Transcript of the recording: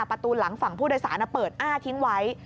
ประตูหลังฝั่งผู้โดยสารเปิดอ้าทิ้งไว้